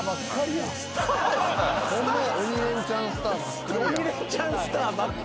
『鬼レンチャン』スターばっかりや。